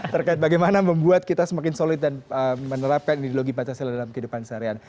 terkait bagaimana membuat kita semakin solid dan menerapkan ideologi pancasila dalam kehidupan seharian